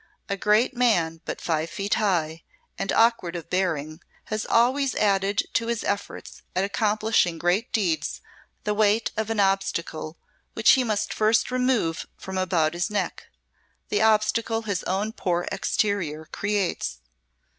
A great man but five feet high, and awkward of bearing, has always added to his efforts at accomplishing great deeds the weight of an obstacle which he must first remove from about his neck the obstacle his own poor exterior creates.